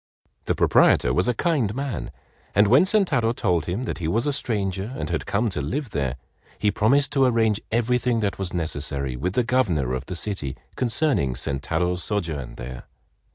The proprietor was a kind man, and when Sentaro told him that he was a stranger and had come to live there, he promised to arrange everything that was necessary with the governor of the city concerning Sentaro's sojourn there.